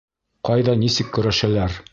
Ҡайҙа нисек көрәшәләр?